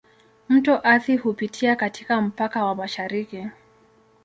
Mto Athi hupitia katika mpaka wa mashariki.